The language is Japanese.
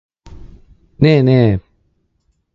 ねえねえ。